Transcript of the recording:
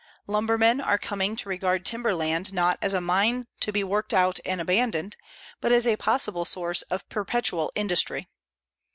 Lumbermen are coming to regard timber land not as a mine to be worked out and abandoned, but as a possible source of perpetual industry.